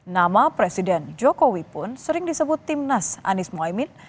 nama presiden jokowi pun sering disebut timnas anies mohaimin